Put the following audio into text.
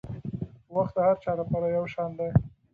وخت د هر چا لپاره یو شان دی.